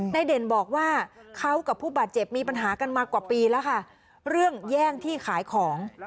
เด่นบอกว่าเขากับผู้บาดเจ็บมีปัญหากันมากว่าปีแล้วค่ะเรื่องแย่งที่ขายของ